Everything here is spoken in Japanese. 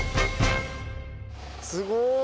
すごい！